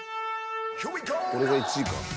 俺が１位か？